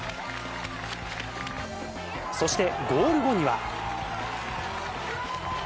そして、ゴール後には。